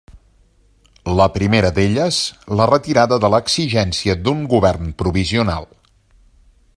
La primera d'elles la retirada de l'exigència d'un Govern Provisional.